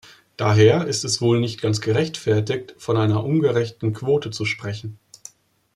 Daher ist es wohl nicht ganz gerechtfertigt, von einer ungerechten Quote zu sprechen.